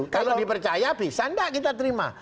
kalau dipercaya bisa tidak kita terima